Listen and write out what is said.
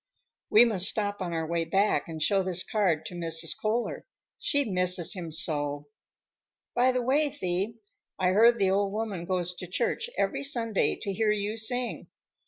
"We must stop on our way back and show this card to Mrs. Kohler. She misses him so." "By the way, Thee, I hear the old woman goes to church every Sunday to hear you sing.